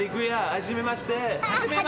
初めまして。